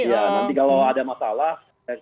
nanti kalau ada masalah